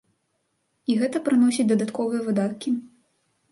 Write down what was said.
І гэта прыносіць дадатковыя выдаткі.